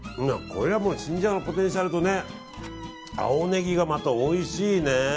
これは新ジャガのポテンシャルと青ネギがまた、おいしいね。